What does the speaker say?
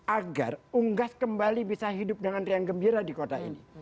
agar unggas kembali bisa hidup dengan riang gembira di kota ini